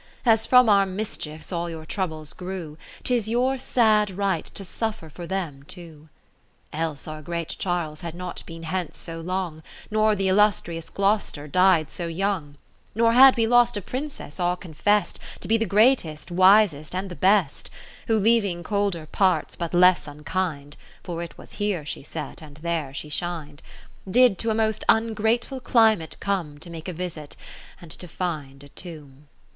As from our mischiefs all your troubles grew, 'Tis your sad right to suffer for them too. Else our great Charles had not been hence so long, Nor the illustrious Glou'ster died so young : Nor had we lost a Princess all confest To be the greatest, wisest, and the best ; 30 Who leaving colder parts, but less unkind, (For it was here she set, and there she shin'd,) Did to a most ungrateful climate come To make a visit, and to find a tomb.